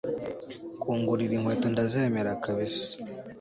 kungurira inkweto ndazemera kabisa